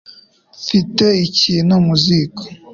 Mfite ikintu mu ziko